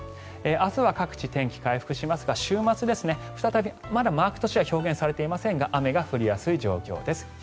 明日は各地、天気回復しますが週末、マークとしては表現されていまませんが雨が降りやすい状況です。